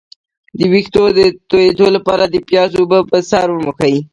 د ویښتو تویدو لپاره د پیاز اوبه په سر ومښئ